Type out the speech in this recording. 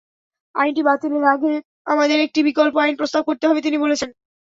আইনটি বাতিলের আগে আমাদের একটি বিকল্প আইন প্রস্তাব করতে হবে, তিনি বলেছেন।